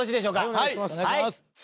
はいお願いします！